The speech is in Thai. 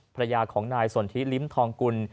พระยาของนายส่วนทิ๋ริมทองกุล